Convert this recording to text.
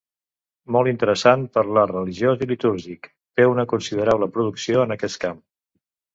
Molt interessat per l'art religiós i litúrgic, té una considerable producció en aquest camp.